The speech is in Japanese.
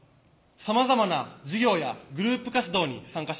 さまざまな授業やグループ活動に参加しました。